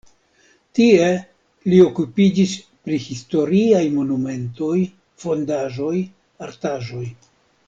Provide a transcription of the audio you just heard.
Tie li okupiĝis pri historiaj monumentoj, fondaĵoj, artaĵoj.